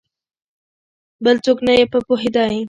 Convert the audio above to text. بل څوک نه په پوهېدی !